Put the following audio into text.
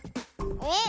えっ？